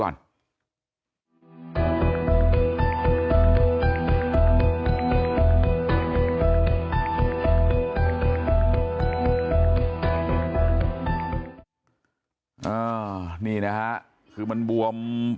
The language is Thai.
นี่นะฮะคือมันบวม